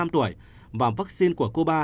năm tuổi và vaccine của cuba